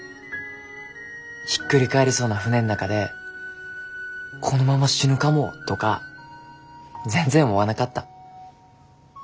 ひっくり返りそうな船ん中でこのまま死ぬかもとか全然思わなかった。